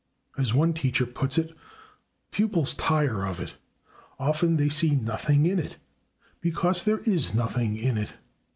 As one teacher puts it, "pupils tire of it; often they see nothing in it, because there /is/ nothing in it."